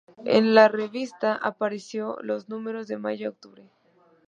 En la revista, apareció en los números de mayo a octubre.